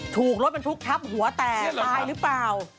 ถูกรถบรรทุกทับหัวแตกตายหรือเปล่า